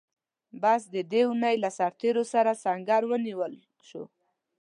بس د دې اوونۍ له سرتېرو څخه سنګر ونیول شو.